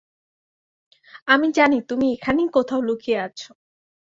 আমি জানি তুমি এখানেই কোথাও লুকিয়ে আছো।